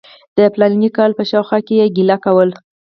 د فلاني کال په شاوخوا کې یې ګیله کوله.